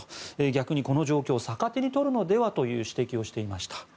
逆にこの状況を逆手に取るのではという指摘をしていました。